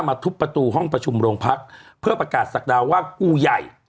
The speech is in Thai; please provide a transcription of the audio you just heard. ทุบประตูห้องประชุมโรงพักเพื่อประกาศศักดาว่ากูใหญ่